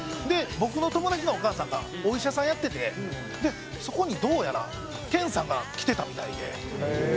で僕の友達のお母さんがお医者さんやっててそこにどうやらｋｅｎさんが来てたみたいで。